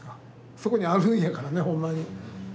そこにあるんやからねほんまに。